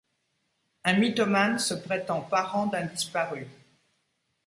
Un mythomane se prétend parent d’un disparu.